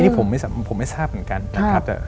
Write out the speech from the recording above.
นี่ผมไม่ทราบเหมือนกันนะครับ